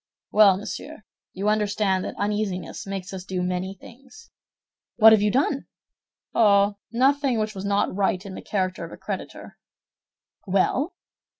"Well, monsieur, you understand that uneasiness makes us do many things." "What have you done?" "Oh, nothing which was not right in the character of a creditor." "Well?"